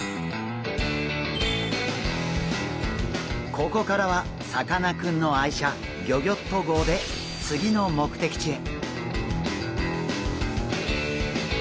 ここからはさかなクンの愛車ギョギョッと号でつぎのもくてきちへ。